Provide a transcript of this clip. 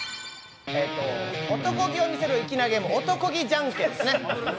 男気を見せる粋なゲーム、「男気じゃんけん」ですね。